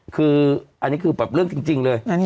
คืออันนี้คือแบบเรื่องจริงเลย